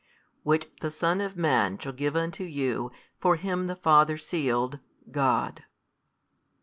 which the Son of Man shall give unto you: for Him the Father sealed, God.